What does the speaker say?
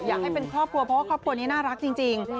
อยากให้เป็นครอบครัวเพราะว่าครอบครัวนี้น่ารักจริง